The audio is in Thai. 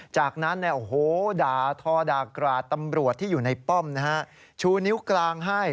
จากนั้นด่าทอด่ากราดตำรวจที่อยู่ในป้อมนะฮะชูนิ้วกลางให้